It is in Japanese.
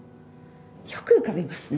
よく浮かびますね。